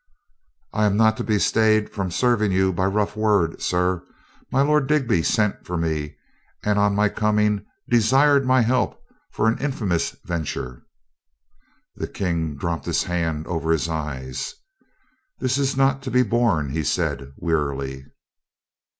"I am not to be stayed from serving you by a rough word, sir. My Lord Digby sent for me, and on my coming desired my help for an infamous ven ture— " The King dropped his hand over his eyes. "This is not to be borne," he said wearily.